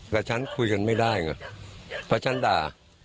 กับฉันคุยกันไม่ได้ไงเพราะฉันด่า